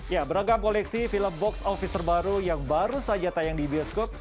ya beragam koleksi film box office terbaru yang baru saja tayang di bioskop